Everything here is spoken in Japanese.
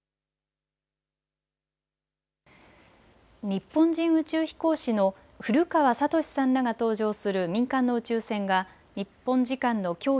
日本人宇宙飛行士の古川聡さんらが搭乗する民間の宇宙船が日本時間のきょう